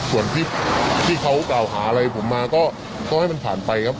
ส่วนที่เขากล่าวหาอะไรผมมาก็ให้มันผ่านไปครับ